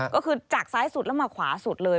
ก็คือจากซ้ายสุดแล้วมาขวาสุดเลย